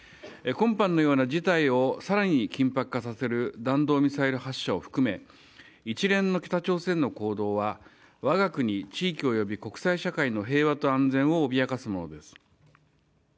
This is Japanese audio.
今般のような事態を更に緊迫化させる弾道ミサイル発射を含め、一連の北朝鮮の行動は我が国地域および国際社会の平和と安全を脅かすものです。